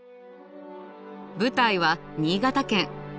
舞台は新潟県。